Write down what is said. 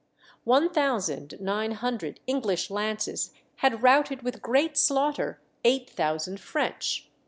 One thousand nine hundred English lances had routed with great slaughter eight thousand French.